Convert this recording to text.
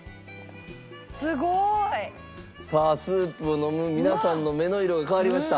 すごい！さあスープを飲む皆さんの目の色が変わりました。